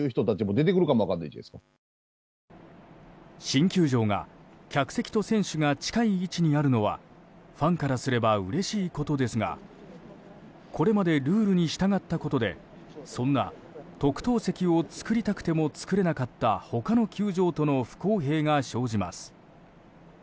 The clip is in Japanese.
新球場が客席と選手が近い位置にあるのはファンからすればうれしいことですがこれまで、ルールに従ったことでそんな特等席を作りたくても作れなかった他の球場との不公平が生じます。